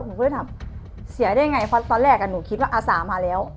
หนูก็เลยถามเสียได้ไงเพราะตอนแรกหนูคิดว่าอาสามาแล้ว